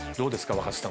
若槻さん。